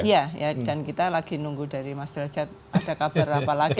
iya dan kita lagi nunggu dari mas derajat ada kabar apa lagi